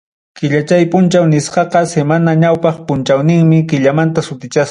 Killachay punchaw nisqaqa semanapa ñawpaq punchawninmi, killamanta sutichasqa.